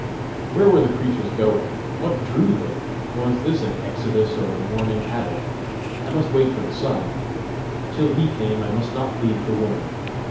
Where were the creatures going? What drew them? Was this an exodus, or a morning habit? I must wait for the sun! Till he came I must not leave the woman!